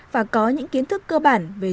và có những kiến thức cơ bản để phòng tránh bệnh